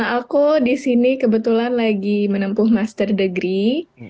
aku di sini kebetulan lagi menempuh master degree